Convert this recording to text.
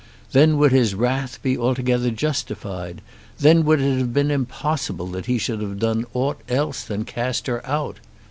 Then would his wrath be altogether justified! Then would it have been impossible that he should have done aught else than cast her out!